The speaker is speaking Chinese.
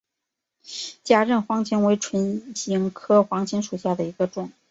假韧黄芩为唇形科黄芩属下的一个种。